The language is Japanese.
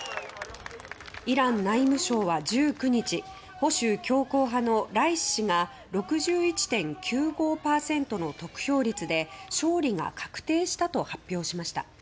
イラン内務省は１９日保守強硬派のライシ師が６１．９５％の得票率で勝利が確定したと発表しました。